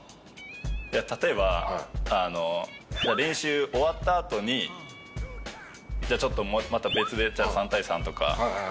例えば練習終わったあとにじゃあちょっとまた別で３対３とか。